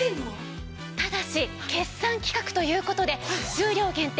ただし決算企画という事で数量限定